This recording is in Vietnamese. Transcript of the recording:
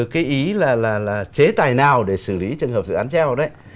cái ý là chế tài nào để xử lý trường hợp dự án treo đấy